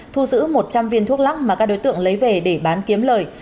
thu giữ một trăm linh viên thuốc lắc mà các đối tượng lấy về để bán kiếm lời